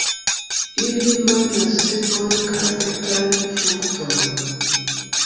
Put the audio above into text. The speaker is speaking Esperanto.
Ili manĝas semojn kaj etajn fruktojn.